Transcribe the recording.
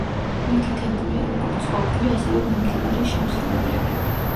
მითითებულია როგორც ყოფილი, ასევე მიმდინარე შემსრულებლები.